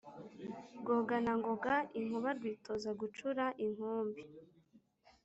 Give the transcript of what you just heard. Rwoganangoga i Nkuba twitoza gucura inkumbi